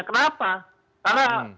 pemerintah yang bertanya kenapa